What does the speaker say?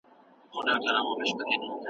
پېښور او ملتان بیرته رانه غلل.